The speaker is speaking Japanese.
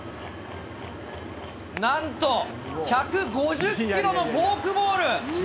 なんと１５０キロのフォークボール。